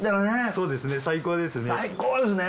そうですね最高ですね。